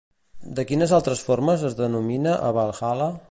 De quines altres formes es denomina a Valhalla?